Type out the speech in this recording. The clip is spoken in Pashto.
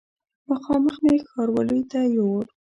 مخامخ مې ښاروالي ته یووړ.